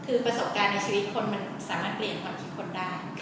คือประสบการณ์ในชีวิตคนมันสามารถเปลี่ยนความคิดคนได้